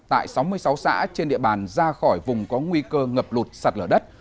tại sáu mươi sáu xã trên địa bàn ra khỏi vùng có nguy cơ ngập lụt sạt lở đất